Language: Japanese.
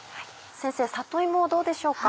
先生里芋どうでしょうか？